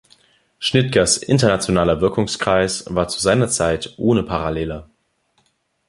Schnitgers internationaler Wirkungskreis war zu seiner Zeit ohne Parallele.